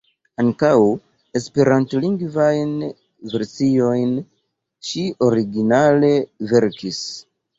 Ankaŭ esperantlingvajn versojn ŝi originale verkis.